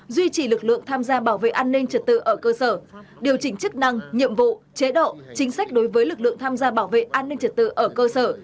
duy trì lực lượng tham gia bảo vệ an ninh trật tự ở cơ sở điều chỉnh chức năng nhiệm vụ chế độ chính sách đối với lực lượng tham gia bảo vệ an ninh trật tự ở cơ sở